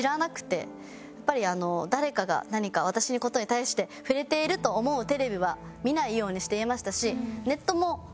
誰かが何か私の事に対して触れていると思うテレビは見ないようにしていましたし。